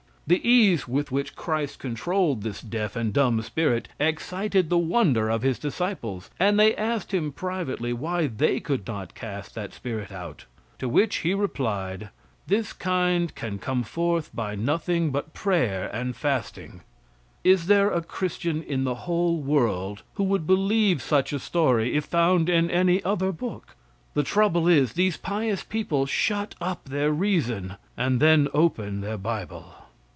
The ease with which Christ controlled this deaf and dumb spirit excited the wonder of his disciples, and they asked him privately why they could not cast that spirit out. To whom he replied: "This kind can come forth by nothing but prayer and fasting." Is there a Christian in the whole world who would believe such a story if found in any other book? The trouble is, these pious people shut up their reason, and then open their bible.